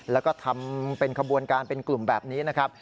แล้วก็ทำเป็นขบวนการเป็นกลุ่มแบบนี้นะครับ